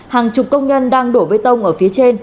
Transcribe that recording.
hàng chục công nhân đang đổ bê tông ở phía trên